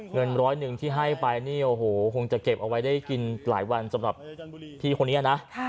เงินร้อยหนึ่งที่ให้ไปนี่โอ้โหคงจะเก็บเอาไว้ได้กินหลายวันสำหรับพี่คนนี้นะ